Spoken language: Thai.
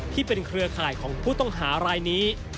ที่เป็นเครือข่ายของผู้ต้องหารายนี้